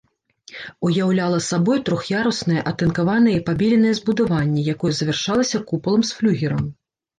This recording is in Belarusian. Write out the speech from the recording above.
Уяўляла сабой трох'яруснае атынкаванае і пабеленае збудаванне, якое завяршалася купалам з флюгерам.